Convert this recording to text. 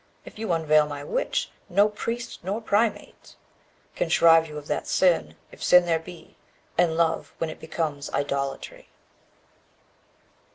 _45 If you unveil my Witch, no priest nor primate Can shrive you of that sin, if sin there be In love, when it becomes idolatry.